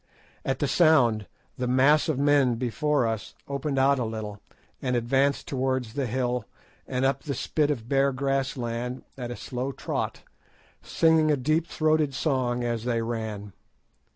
At the sound, the mass of men before us opened out a little, and advanced towards the hill and up the spit of bare grass land at a slow trot, singing a deep throated song as they ran.